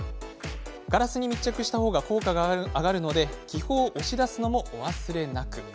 ガラスに密着した方が効果が上がるので気泡を押し出すのもお忘れなく。